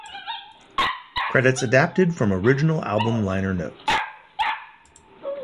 Credits adapted from original album liner notes.